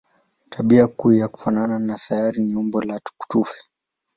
Tabia kuu ya kufanana na sayari ni umbo la tufe.